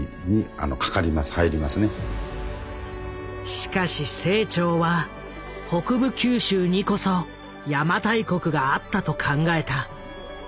しかし清張は北部九州にこそ邪馬台国があったと考えた。